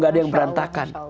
gak ada yang berantakan